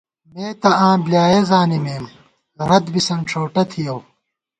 مے تہ آں بۡلیایَہ زانِمېم رت بِسَن ݭؤٹہ تھِیَؤ